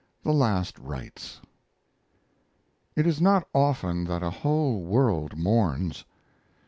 THE LAST RITES It is not often that a whole world mourns.